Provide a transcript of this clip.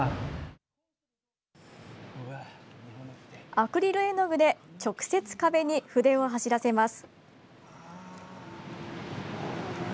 アクリル絵の具で直接壁に筆を走らせます。